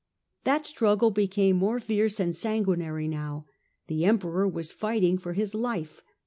That struggle became more fierce and sanguinary now. The Emperor was fighting for his life.